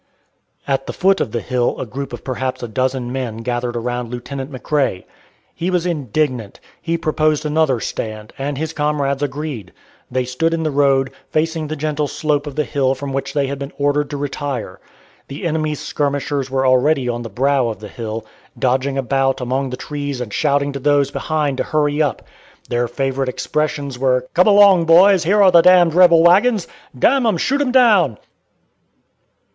At the foot of the hill a group of perhaps a dozen men gathered around Lieutenant McRae. He was indignant. He proposed another stand, and his comrades agreed. They stood in the road, facing the gentle slope of the hill from which they had been ordered to retire. The enemy's skirmishers were already on the brow of the hill, dodging about among the trees and shouting to those behind to hurry up. Their favorite expressions were, "Come along, boys; here are the damned rebel wagons!" "Damn 'em shoot 'em down!"